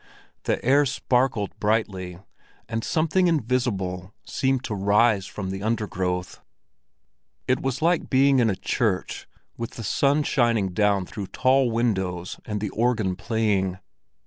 The air sparkled brightly, and something invisible seemed to rise from the undergrowth; it was like being in a church with the sun shining down through tall windows and the organ playing.